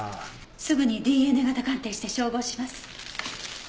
すぐにＤＮＡ型鑑定して照合します。